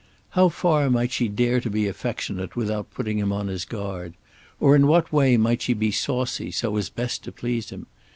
How far might she dare to be affectionate without putting him on his guard? Or in what way might she be saucy so as best to please him?